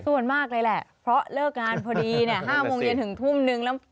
ส่วนมากเลยแหละเพราะเลิกงานพอดีเนี่ย๕โมงเย็นถึงทุ่มนึงแล้ว